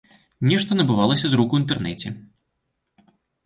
Нешта набывалася з рук у інтэрнэце.